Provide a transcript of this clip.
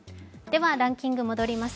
ランキングに戻ります。